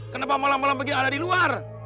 kenapa malam malam pergi ada di luar